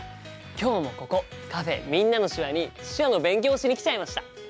今日もここカフェ「みんなの手話」に手話の勉強をしに来ちゃいました！